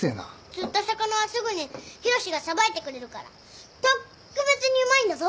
釣った魚はすぐに浩志がさばいてくれるからとっくべつにうまいんだぞ。